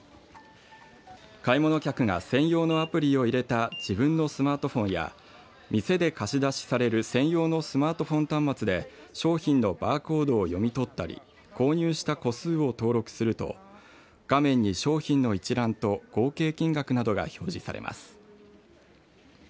買い物客が専用のアプリを入れた自分のスマートフォンや店で貸し出しされる専用のスマートフォン端末で商品のバーコードを読み取ったり購入した個数を登録すると画面に商品の一覧と合計金額などが表示されます。